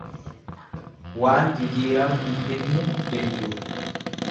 Waan jijiirama hin fidne jechuudha.